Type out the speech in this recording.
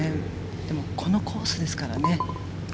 でもこのコースですからね。